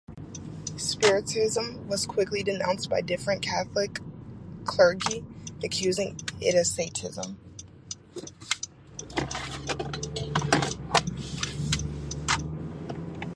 Spiritism was quickly denounced by different Catholic clergy accusing it of Satanism.